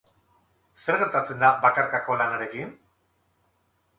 Zer gertatzen da bakarkako lanarekin?